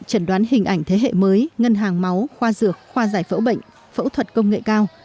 trần đoán hình ảnh thế hệ mới ngân hàng máu khoa dược khoa giải phẫu bệnh phẫu thuật công nghệ cao